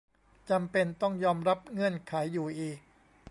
จำเป็นต้องยอมรับเงื่อนไขอยู่อีก